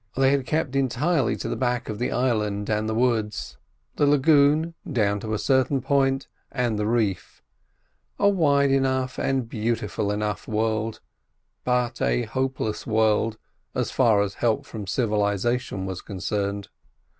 They had kept entirely to the back of the island and the woods—the lagoon, down to a certain point, and the reef; a wide enough and beautiful enough world, but a hopeless world, as far as help from civilisation was concerned.